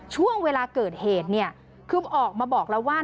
ช่วงเวลาเกิดเหตุเนี่ยคือออกมาบอกแล้วว่า